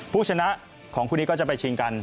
ผู้ชนะของคู่นี้ก็จะไปชิงกัน